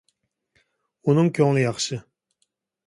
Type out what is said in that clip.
ئۇنىڭ كۆڭلى ياخشى.